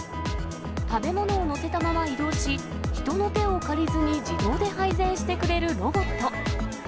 食べ物を載せたまま移動し、人の手を借りずに自動で配膳してくれるロボット。